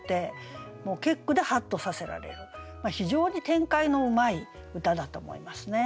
もう結句でハッとさせられる非常に展開のうまい歌だと思いますね。